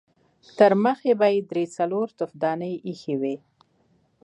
ترمخې به يې درې څلور تفدانۍ اېښې وې.